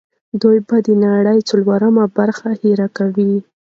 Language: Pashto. دوی به د نړۍ څلورمه برخه هېر کوي.